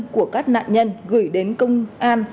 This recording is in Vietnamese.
của các nạn nhân gửi đến công an